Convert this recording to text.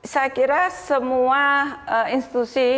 saya kira semua institusi